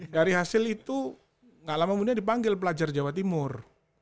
dari hasil itu gak lama kemudian dipanggil pelajar jawa timur